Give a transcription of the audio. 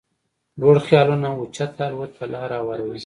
لوړ خيالونه اوچت الوت ته لاره هواروي.